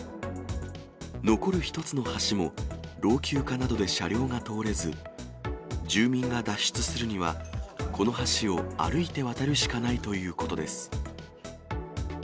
残る１つの橋も、老朽化などで車両が通れず、住民が脱出するには、この橋を歩いて渡るしかないということです。